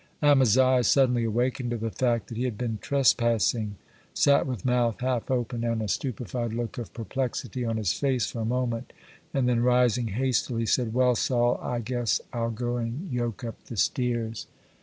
Amaziah, suddenly awakened to the fact that he had been trespassing, sat with mouth half open and a stupefied look of perplexity on his face for a moment, and then, rising hastily, said: 'Well, Sol, I guess I'll go an' yoke up the steers.